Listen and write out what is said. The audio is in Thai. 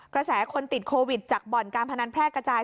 กระแสคนติดโควิดจากบ่อนการพนันแพร่กระจาย